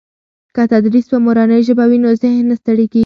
که تدریس په مورنۍ ژبه وي نو ذهن نه ستړي کېږي.